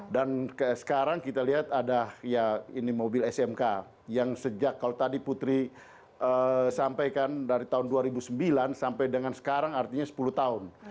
dan sekarang kita lihat ada ya ini mobil smk yang sejak kalau tadi putri sampaikan dari tahun dua ribu sembilan sampai dengan sekarang artinya sepuluh tahun